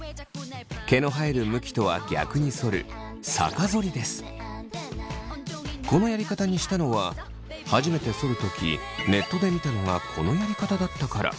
毛の生える向きとは逆にそるこのやり方にしたのは初めてそる時「ネットで見たのがこのやり方だったから」